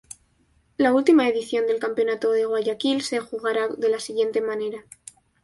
La última edición del campeonato de Guayaquil se jugara de la siguiente manera.